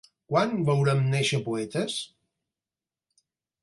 Quan veurem néixer poetes?